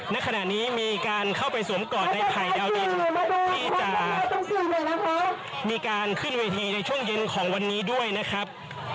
ณขณะนี้มีการเข้าไปสวมกอดในภัยดาวดินที่จะมีการขึ้นเวทีในช่วงเย็นของวันนี้ด้วยนะครับ